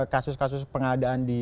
kasus kasus pengadaan di